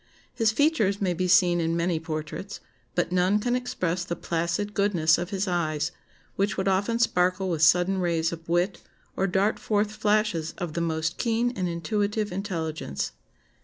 His features may be seen in many portraits; but none can express the placid goodness of his eyes, which would often sparkle with sudden rays of wit, or dart forth flashes of the most keen and intuitive intelligence.